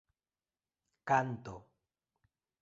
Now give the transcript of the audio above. kanto